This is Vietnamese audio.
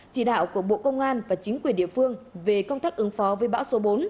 chỉ đạo của bộ công an và chính quyền địa phương về công tác ứng phó với bão số bốn